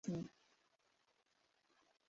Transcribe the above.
Kiingereza ni lugha rasmi.